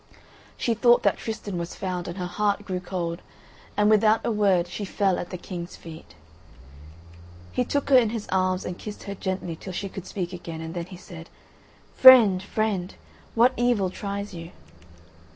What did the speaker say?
She thought that Tristan was found, and her heart grew cold, and without a word she fell at the King's feet. He took her in his arms and kissed her gently till she could speak again, and then he said: "Friend, friend, what evil tries you?"